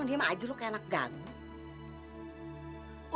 diam aja lu kayak anak ganggu